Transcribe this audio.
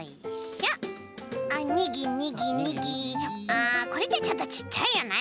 あこれじゃちょっとちっちゃいよね。